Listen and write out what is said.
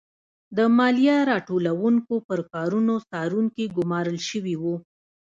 د مالیه راټولوونکو پر کارونو څارونکي ګورمال شوي وو.